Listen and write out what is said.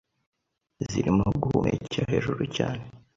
zirimo guhumekera hejuru cyane